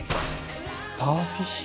スターフィッシュ？